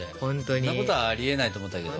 そんなことはありえないと思ったけど。